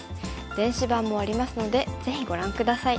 電子版もありますのでぜひご覧下さい。